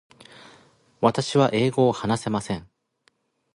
私は英語を話せません。